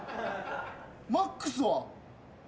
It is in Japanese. マックスは？